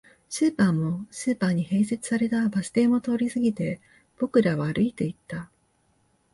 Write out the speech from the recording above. スーパーも、スーパーに併設されたバス停も通り過ぎて、僕らは歩いていった